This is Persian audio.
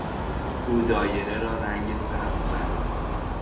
او دایره را رنگ سبز زد.